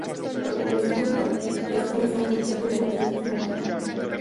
La población es cabeza del partido judicial del mismo nombre.